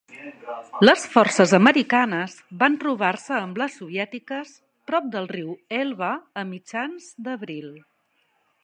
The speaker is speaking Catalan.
Les forces americanes van trobar-se amb les soviètiques prop del riu Elba a mitjans d'abril.